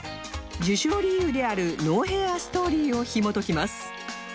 受賞理由である ＮＯＨＡＩＲ ストーリーをひもときます